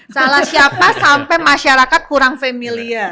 salah siapa sampai masyarakat kurang familiar